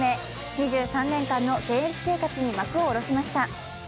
２３年間の現役生活に幕を下ろしました。